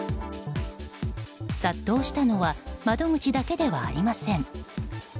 殺到したのは窓口だけではありません。